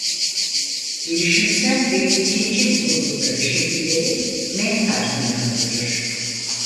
Gelişimsel ve ikincil olukların şekilleri "M" harfini andırır.